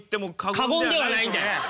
過言ではないんだよ！